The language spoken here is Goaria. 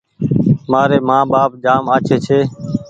مآري مآن ٻآپ جآم آڇي ڇي